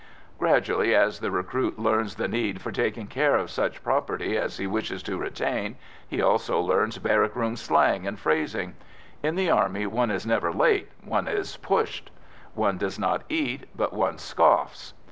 Gradually, as the recruit learns the need for taking care of such property as he wishes to retain, he also learns barrack room slang and phrasing. In the Army, one is never late: one is "pushed." One does not eat, but one "scoffs."